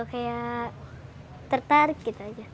jadi saya tertarik